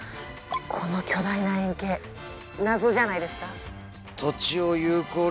この巨大な円形謎じゃないですか？